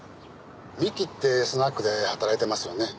「みき」ってスナックで働いてますよね？